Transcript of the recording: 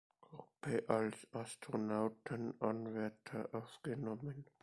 Gruppe als Astronautenanwärter aufgenommen.